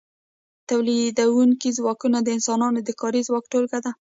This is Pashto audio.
تولیدونکي ځواکونه د انسانانو د کاري ځواک ټولګه ده.